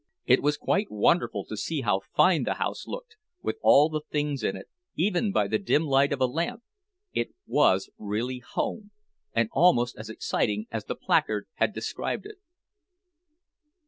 It was quite wonderful to see how fine the house looked, with all the things in it, even by the dim light of a lamp: it was really home, and almost as exciting as the placard had described it.